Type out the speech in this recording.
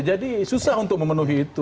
jadi susah untuk memenuhi itu